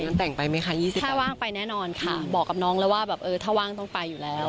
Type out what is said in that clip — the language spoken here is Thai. คุณก็ต้องตั้งไปไหมคะยี่สิบหนึ่งถ้าว่างไปแน่นอนค่ะบอกกับน้องถ้าว่างต้องไปอยู่แล้ว